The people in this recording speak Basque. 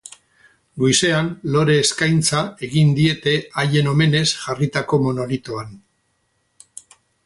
Goizean, lore-eskaintza egin diete haien omenez jarritako monolitoan.